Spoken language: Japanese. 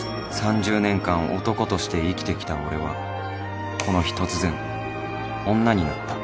［３０年間男として生きてきた俺はこの日突然女になった］